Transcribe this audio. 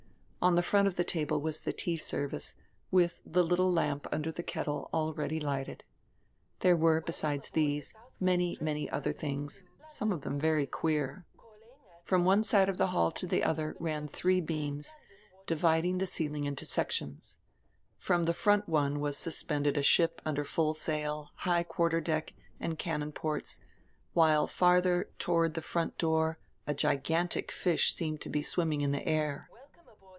On die front of die table was die tea service, with die little lamp under die ketde already lighted. There were, beside these, many, many other tilings, some of diem very queer. From one side of die hall to die odier ran diree beams, dividing die ceiling into sections. From die front one was suspended a ship under full sail, high quarter deck, and cannon ports, while farther toward die front door a gigantic fish seemed to be swimming in die air.